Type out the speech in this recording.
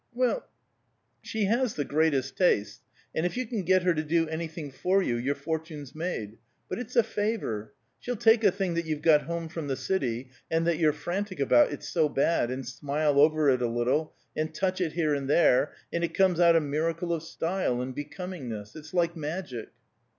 "Well, she has the greatest taste, and if you can get her to do anything for you your fortune's made. But it's a favor. She'll take a thing that you've got home from the city, and that you're frantic about, it's so bad, and smile over it a little, and touch it here and there, and it comes out a miracle of style and becomingness. It's like magic."